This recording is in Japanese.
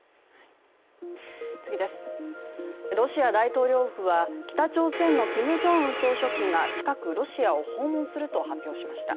ロシア大統領府は北朝鮮のキム・ジョンウン総書記が近くロシアを訪問すると発表しました。